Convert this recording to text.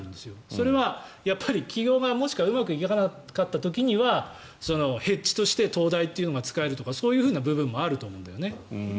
それはやっぱり起業がもしうまくいかなかった時ヘッジとして東大というのが使えるとかそういう部分もあると思うんだよね。